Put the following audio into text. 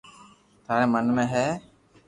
ٿاري من ۾ ھي